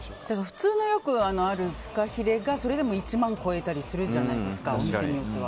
普通のよくあるフカヒレがそれでも１万超えたりするじゃないですかお店によっては。